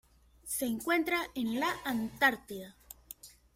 Se encuentra en la Antártida.